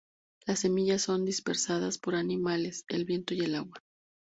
Las semillas son dispersadas por animales, el viento y el agua.